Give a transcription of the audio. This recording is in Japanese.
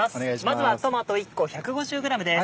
まずはトマト１個１５０ｇです。